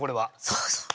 そうそう。